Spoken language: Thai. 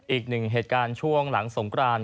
อีกหนึ่งเหตุการณ์ช่วงหลังสงกราน